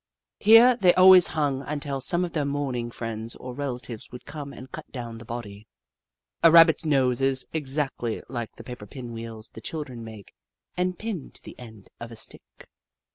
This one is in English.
Here they always hung until some of their mourning friends or relatives would come and cut down the body. A Rabbit's nose is exactly like the paper pin wheels the children make and pin to the end of a stick.